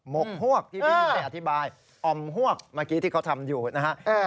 มกหวอกที่พี่พี่อธิบายพี่นี่แอบอธิบายอมหววกเมื่อกี้ที่เขาทำอยู่นะฮะเออ